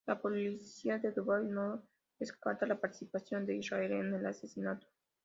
La policía de Dubái no descarta la participación de Israel en el asesinato.